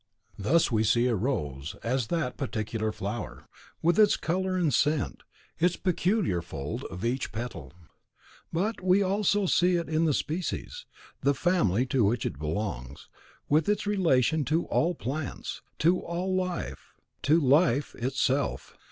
Thus we see a rose as that particular flower, with its colour and scent, its peculiar fold of each petal; but we also see in it the species, the family to which it belongs, with its relation to all plants, to all life, to Life itself.